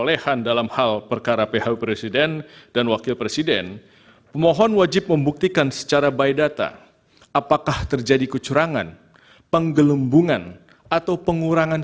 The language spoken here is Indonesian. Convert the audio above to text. threatnya adalah ar transformer up yan sudah suapacita be tweezus sendika dan ber distracted apa oi pola berada di kue kusirageiheytherean bahwa nyedutkan yang kecepatan